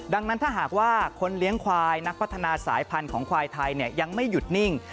ดังนั้นถ้าหากว่าคนเลี้ยงควายนักพัฒนาสายพันธุ์ของควายไทยยังไม่หยุดนิ่ง